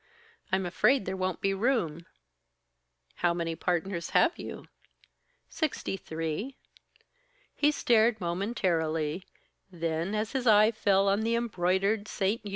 "I'm afraid there won't be room." "How many partners have you?" "Sixty three." He stared momentarily, then as his eye fell on the embroidered "St. U."